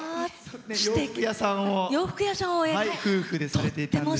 洋服屋さんを夫婦でされていたんですね。